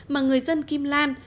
mà người dân kim lan